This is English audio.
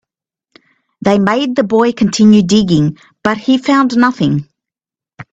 They made the boy continue digging, but he found nothing.